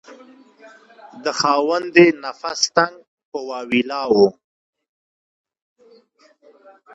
د خاوند یې نفس تنګ په واویلا وو.